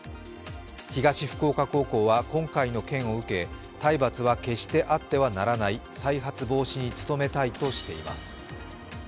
東福岡高校は今回の件を受け、体罰は決してあってはならない再発防止に努めたいとしています。